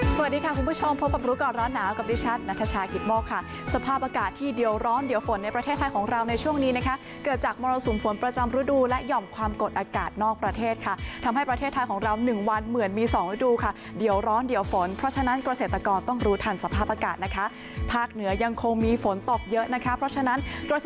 สวัสดีค่ะคุณผู้ชมพบกับรู้ก่อนร้านหนาวกับดิชัดนัทชาหกิตมกค่ะสภาพอากาศที่เดี๋ยวร้อนเดี๋ยวฝนในประเทศไทยของเราในช่วงนี้นะคะเกิดจากมรสุมฝนประจำรูดูและหย่อมความกดอากาศนอกประเทศค่ะทำให้ประเทศไทยของเราหนึ่งวันเหมือนมีสองรูดูค่ะเดี๋ยวร้อนเดี๋ยวฝนเพราะฉะน